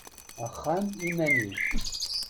Axxam iman-iw;